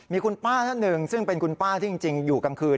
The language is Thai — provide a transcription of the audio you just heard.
มีคุณป้าท่านหนึ่งซึ่งเป็นคุณป้าที่จริงอยู่กลางคืน